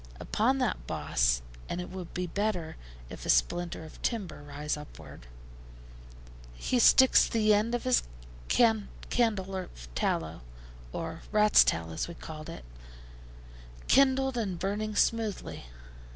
Upon that boss (and it will be the better if a splinter of timber rise upward) he sticks the end of his candle of tallow, or 'rat's tail,' as we called it, kindled and burning smoothly.